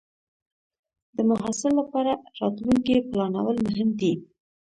د محصل لپاره راتلونکې پلانول مهم دی.